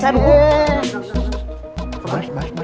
nggak lagi ada